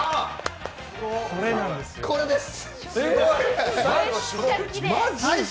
これです。